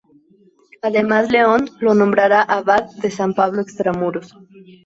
Además, León lo nombrara abad de San Pablo Extramuros.